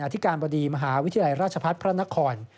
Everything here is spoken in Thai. ธิการบดีมหาวิทยาลัยราชพัฒน์พระนคร